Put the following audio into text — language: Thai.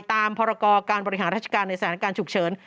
พรกรการบริหารราชการในสถานการณ์ฉุกเฉิน